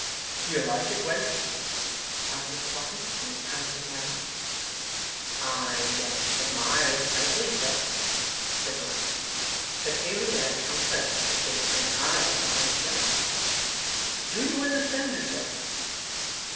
'Do you like it, Wegg?' asked Mr Boffin, in his pouncing manner. 'I admire it greatly, sir,' said Wegg. 'Peculiar comfort at this fireside, sir.' 'Do you understand it, Wegg?